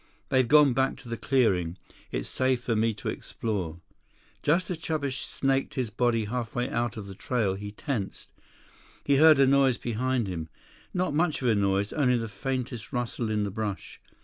"They've gone back to the clearing. It's safe for me to explore." Just as Chuba snaked his body halfway out on the trail, he tensed. He heard a noise behind him. Not much of a noise, only the faintest rustle in the brush.